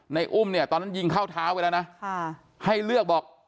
อุ้มเนี่ยตอนนั้นยิงเข้าเท้าไปแล้วนะให้เลือกบอก